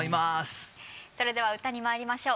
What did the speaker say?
それでは歌にまいりましょう。